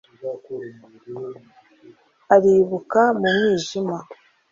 arabibuka mu mwijima